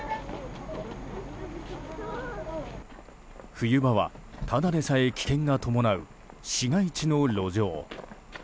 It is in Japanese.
冬場は、ただでさえ危険が伴う市街地の路上。